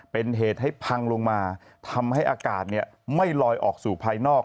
เป็นเหตุให้พังลงมาทำให้อากาศไม่ลอยออกสู่ภายนอก